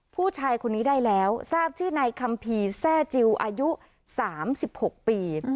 ผู้ชายคนนี้ได้แล้วทราบชื่อในคำพีแซ่จิวอายุสามสิบหกปี